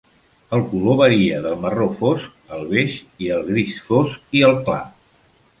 El color varia del marró fosc, al beix, i al gris fosc i el clar.